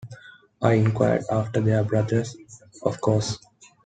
I inquired after their brother, of course.